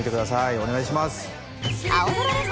お願いします！